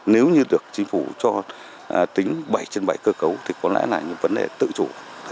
nếu như được chính phủ cho tính bảy trên bảy cơ cấu thì có lẽ là những vấn đề tự chủ